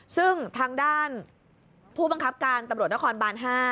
ซึ่งทางด้านผู้บังคับการตำรวจนครบาน๕